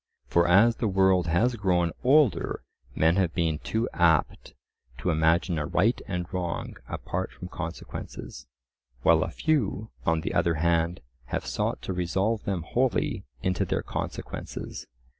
For as the world has grown older men have been too apt to imagine a right and wrong apart from consequences; while a few, on the other hand, have sought to resolve them wholly into their consequences.